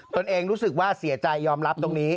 ตัวเองรู้สึกว่าเสียใจยอมรับตรงนี้